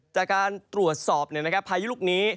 จากการตรวจสอบพายุลูกนี้